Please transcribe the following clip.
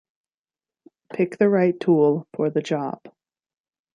Pick the right tool for the job.